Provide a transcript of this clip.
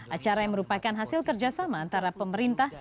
acara yang merupakan hasil kerjasama antara pemerintah